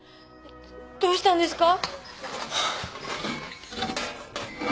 どうしたんですか？